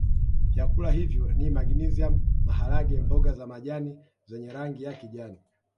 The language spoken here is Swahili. Vyakula hivyo ni magnesium maharage mboga za majani zenye rangi ya kijani